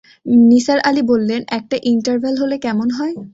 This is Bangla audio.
নিসার আলি বললেন, একটা ইন্টারভ্যাল হলে কেমন হয়।